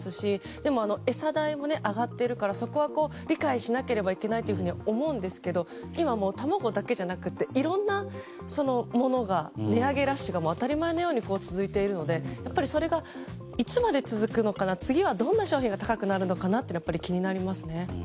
でも、餌代も上がっているからそこは理解しなければいけないと思うんですが今、もう卵だけじゃなくていろんなものの値上げラッシュが当たり前のように続いているのでそれがいつまで続くのかな次はどんな商品が高くなるのかなっていうのはやっぱり気になりますね。